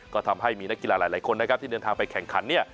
ก็ทำให้มีนักกิลาหลายคนที่เดินทางไปแข่งขัน